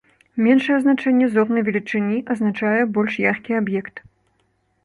Меншае значэнне зорнай велічыні азначае больш яркі аб'ект.